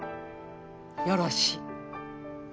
よろしい。